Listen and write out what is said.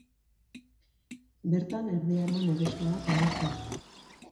Bertan erdi aroan herrixka bat egon zen.